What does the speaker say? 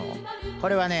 これはね